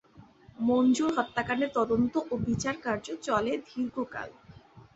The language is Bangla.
মঞ্জুর হত্যাকাণ্ডের তদন্ত ও বিচারকার্য চলে দীর্ঘ কাল।